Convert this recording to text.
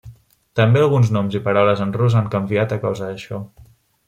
També alguns noms i paraules en rus han canviat a causa d'això.